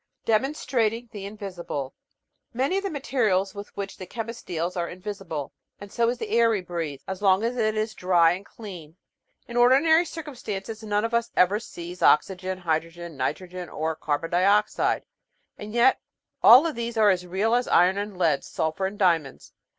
Demonstrating the Invisible Many of the materials with which the chemist deals are invisi ble, and so is the air we breathe, as long as it is dry and clean. In ordinary circumstances, none of us ever sees oxygen, hydrogen, nitrogen, or carbon dioxide, and yet all these are as real as iron and lead, sulphur and diamonds.